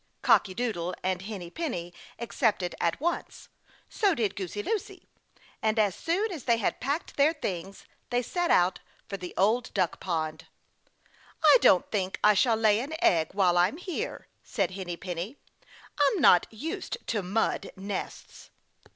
Cocky Doodle and Henny Penny accepted at once; so did Goosey Lucy; and as soon as they had packed their things, they set out for the Old Duck Pond. "I don't think I shall lay an egg while I'm there," said Henny Penny "I'm not used to Mud Nests."